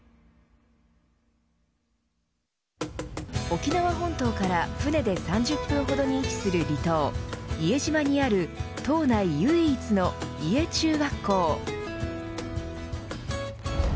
沖縄本島から船で３０分ほどに位置する離島伊江島にある島内唯一の伊江中学校。